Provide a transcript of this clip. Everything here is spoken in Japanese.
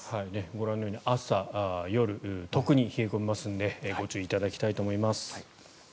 ご覧のように朝、夜、特に冷え込みますのでご注意いただきたいと思います。